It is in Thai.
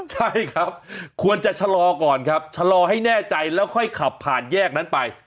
ใช่ครับควรจะชะลอก่อนครับชะลอให้แน่ใจแล้วค่อยขับผ่านแยกนั้นไป